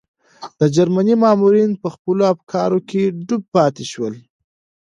د جرمني مامورین په خپلو افکارو کې ډوب پاتې شول.